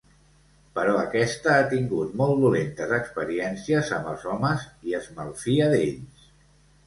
Però aquesta ha tingut molt dolentes experiències amb els homes i es malfia d'ells.